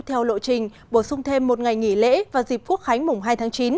theo lộ trình bổ sung thêm một ngày nghỉ lễ và dịp quốc khánh mùng hai tháng chín